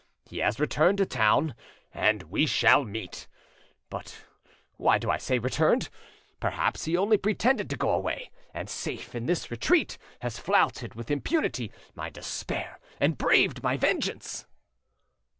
He has returned to town, and we shall meet! But why do I say 'returned'? Perhaps he only pretended to go away, and safe in this retreat has flouted with impunity, my despair and braved my vengeance!"